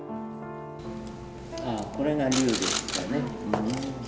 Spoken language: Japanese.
ああ、これが龍ですかね。